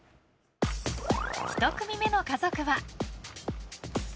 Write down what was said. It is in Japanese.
１組目の家族は。